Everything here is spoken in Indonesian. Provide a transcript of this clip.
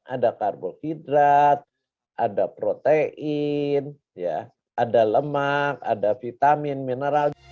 ada karbohidrat ada protein ada lemak ada vitamin mineral